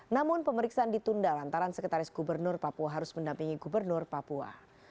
namun pemeriksaan ditunda lantaran sekretaris gubernur papua harus mendampingi gubernur papua